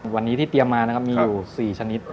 วันนี้ที่เตรียมมานะครับมีอยู่๔ชนิด